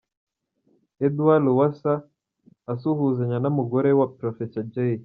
Edward Lowassa asuhuzanya n'umugore wa Professor Jay.